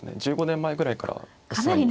１５年前ぐらいからお世話に。